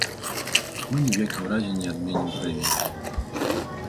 Мы ні ў якім разе не адменім прэмію.